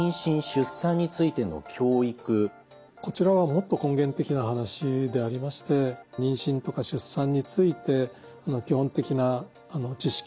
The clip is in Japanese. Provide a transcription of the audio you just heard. それからこちらはもっと根源的な話でありまして妊娠とか出産について基本的な知識